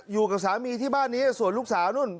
อยู่กับสามีที่บ้านนี้ส่วนลูกสาวนู่น